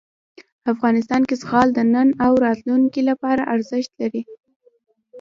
افغانستان کې زغال د نن او راتلونکي لپاره ارزښت لري.